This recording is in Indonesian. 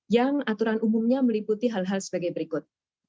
yang aturan umumnya meliputi hal hal sebagai berikut